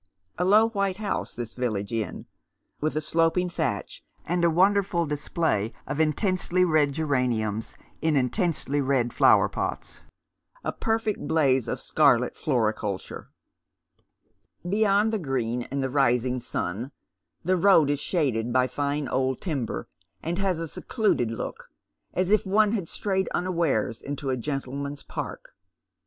A low white house this village inn, with a sloping thatch and a wonderful display of intensely red geraniums in intensely red flower pots, a perfect blaze of scarlet floriculture Beyond the green and the " Rising Sun " the road is shaded by fine old timber, and has a secluded look, as if one had strayed unawares into a gentleman's park.